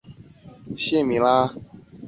谢米拉。